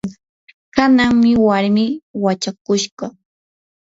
kananmi warmii wachakushqa.